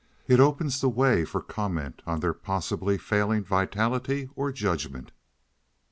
It opens the way for comment on their possibly failing vitality or judgment.